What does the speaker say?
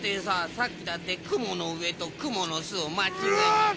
さっきだってくものうえとくものすをまちがえたし。